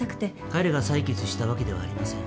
彼が裁決したわけではありません。